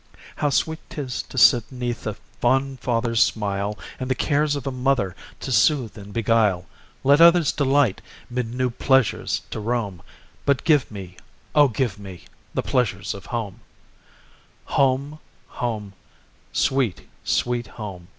How sweet 'tis to sit 'neath a fond father's smile, And the cares of a mother to soothe and beguile! Let others delight mid new pleasures to roam, But give me, oh, give me, the pleasures of home! Home, Home, sweet, sweet Home!